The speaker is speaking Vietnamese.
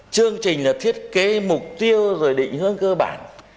chương trình là thiết kế mục tiêu rồi định hướng cơ bản